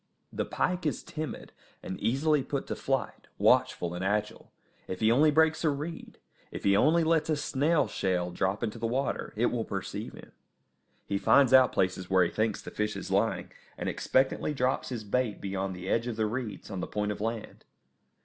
The pike is timid, and easily put to flight, watchful and agile; if he only breaks a reed, if he only lets a snail shell drop into the water, it will perceive him. He finds out places where he thinks the fish is lying, and expectantly drops his bait beyond the edge of the reeds on the point of land.